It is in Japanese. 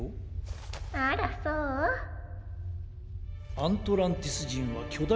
アントランティスじんはきょだ